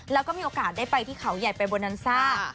แล้วก็มีโอกาสได้ไปที่เขาใหญ่ไปโบนันซ่า